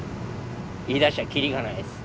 言いだしたら切りがないです。